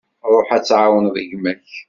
Ruḥ ad tεawneḍ gma-k.